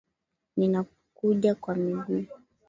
Ninakuja kwa miguu